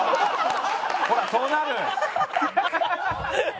ほらそうなる！